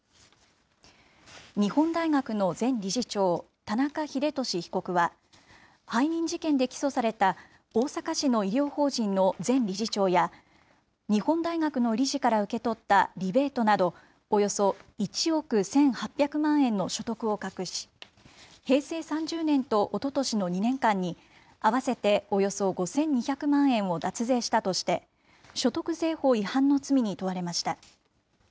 日本大学の前理事長、田中英壽被告は、背任事件で起訴された大阪市の医療法人の前理事長や、日本大学の理事から受け取ったリベートなど、およそ１億１８００万円の所得を隠し、平成３０年とおととしの２年間に、合わせておよそ５２００万円を脱税したとして、所得税法違反の罪に問われました。